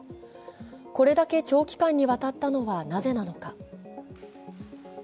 これだけ長期間にわたったのはなぜなのか。